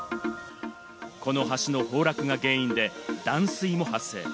この橋の崩落が原因で断水も発生。